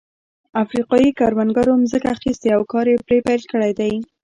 افریقايي کروندګرو ځمکه اخیستې او کار یې پرې پیل کړی دی.